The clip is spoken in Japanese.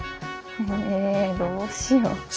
えどうしよ。